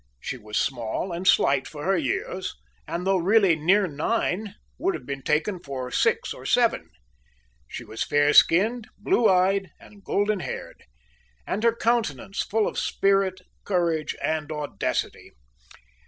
She was small and slight for her years, and, though really near nine, would have been taken for six or seven. She was fair skinned, blue eyed and golden haired. And her countenance, full of spirit, courage and audacity.